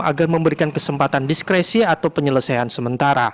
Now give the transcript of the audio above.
agar memberikan kesempatan diskresi atau penyelesaian sementara